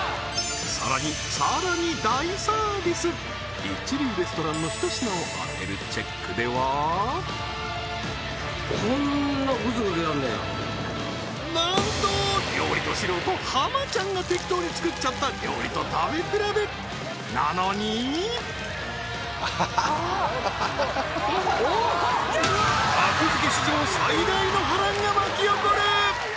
さらにさらに一流レストランのひと品を当てるチェックではなんと料理ど素人浜ちゃんが適当に作っちゃった料理と食べ比べなのに格付け史上最大の波乱が巻き起こる！